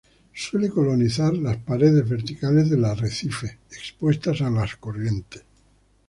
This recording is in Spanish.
Suele colonizar las paredes verticales del arrecife expuestas a corrientes.